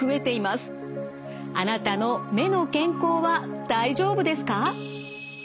あなたの目の健康は大丈夫ですか？